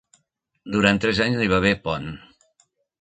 Durant tres anys no hi va haver pont.